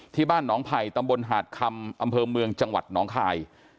ที่บ้านหนองไผ่ตำบลหาดคำอำเภอเมืองจังหวัดหนองคาย